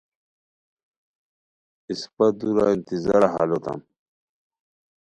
اِسپہ دُورہ انتظارہ ہال ہوتام